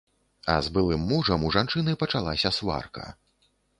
А з былым мужам у жанчыны пачалася сварка.